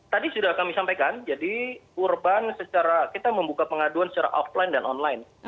tadi sudah kami sampaikan jadi urban secara kita membuka pengaduan secara offline dan online